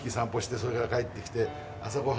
それから帰ってきて。